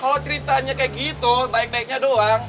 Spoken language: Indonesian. kalau ceritanya kayak gitu baik baiknya doang